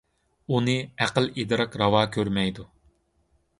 ئۇنى ئەقىل - ئىدراك راۋا كۆرمەيدۇ.